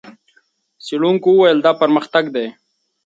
څېړونکو وویل، دا پرمختګ دی.